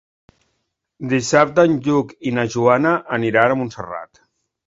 Dissabte en Lluc i na Joana aniran a Montserrat.